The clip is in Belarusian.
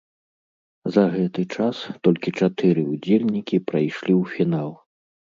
За гэты час толькі чатыры ўдзельнікі прайшлі ў фінал.